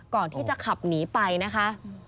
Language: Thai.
ก่อนที่จะขับหนีไปนะคะ